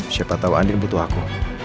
siapa tau andin butuh aku